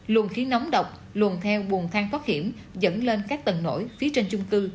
luồn khí nóng độc luồn theo buồn thang thoát hiểm dẫn lên các tầng nổi phía trên trung cư